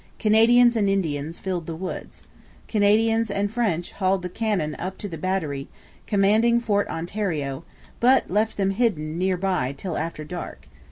Canadians and Indians filled the woods. Canadians and French hauled the cannon up to the battery commanding Fort Ontario, but left them hidden near by till after dark.